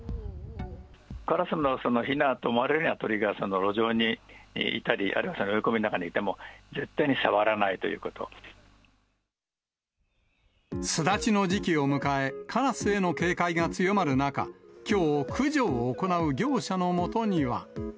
カラスのひなと思われる鳥が路上にいたり、あるいは植え込みの中にいても、巣立ちの時期を迎え、カラスへの警戒が強まる中、きょう、駆除を行う業者のもとには。